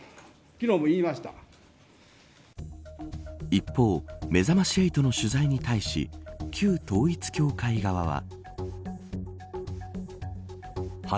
一方、めざまし８の取材に対し旧統一教会側は。